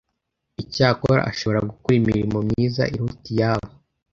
Icyakora ashobora gukora imirimo myiza iruta iyabo